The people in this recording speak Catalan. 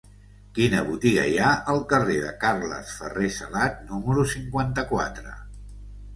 Quina botiga hi ha al carrer de Carles Ferrer Salat número cinquanta-quatre?